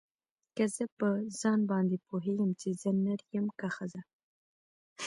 که زه په ځان باندې پوهېږم چې زه نر يمه که ښځه.